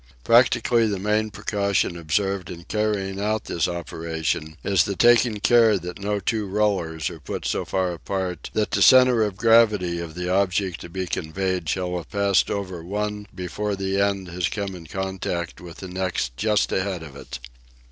Practically the main precaution observed in carrying out this operation is the taking care that no two rollers are put so far apart that the centre of gravity of the object to be conveyed shall have passed over one before the end has come in contact with the next just ahead of it.